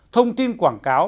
thông tin quảng cáo